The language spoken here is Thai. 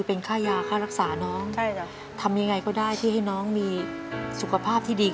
เป็นอย่างเป็นที่พ่อ